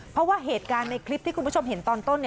เพราะว่าเหตุการณ์ในคลิปที่คุณผู้ชมเห็นตอนต้น